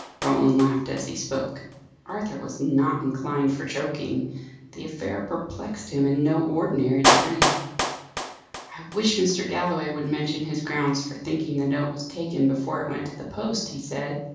Roland laughed as he spoke. Arthur was not inclined for joking; the affair perplexed him in no ordinary degree. "I wish Mr. Galloway would mention his grounds for thinking the note was taken before it went to the post!" he said.